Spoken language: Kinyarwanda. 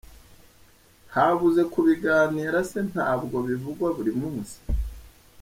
Habuze kubiganira se ntabwo bivugwa buri munsi?